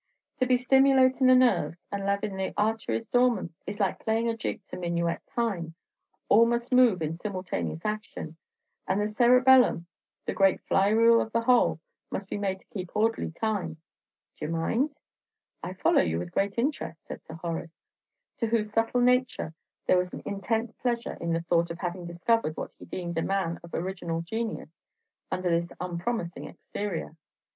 To be stimulatin' the nerves, and lavin' the arteries dormant, is like playing a jig to minuet time, all must move in simultaneous action; and the cerebellum, the great flywheel of the whole, must be made to keep orderly time. D'ye mind?" "I follow you with great interest," said Sir Horace, to whose subtle nature there was an intense pleasure in the thought of having discovered what he deemed a man of original genius under this unpromising exterior.